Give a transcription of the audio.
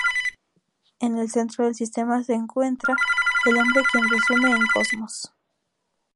En el centro del sistema se encuentra el hombre quien resume en cosmos.